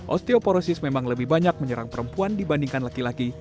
osteoporosis memang lebih banyak menyerang perempuan dibandingkan laki laki